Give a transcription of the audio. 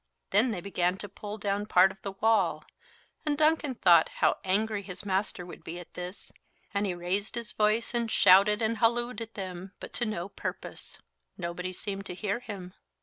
Then they began to pull down part of the wall, and Duncan thought how angry his master would be at this, and he raised his voice and shouted and hallooed to them, but to no purpose. Nobody seemed to hear him.